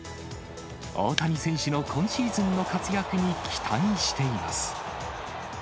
大谷選手の今シーズンの活躍に期待しています。